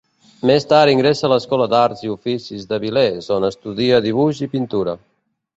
Més tard ingressa a l'Escola d'Arts i Oficis d'Avilés, on estudia dibuix i pintura.